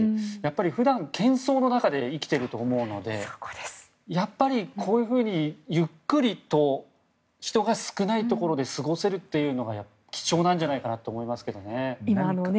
普段、喧騒の中で生きていると思うのでやっぱりこういうふうにゆっくりと人が少ないところで過ごせるというのが貴重なんじゃないかと思います。